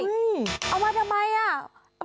เอามาทำไม